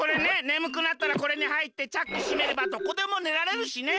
ねむくなったらこれにはいってチャックしめればどこでもねられるしね。